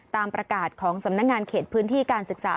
ตามประกาศของสำนักงานเขตพื้นที่การศึกษา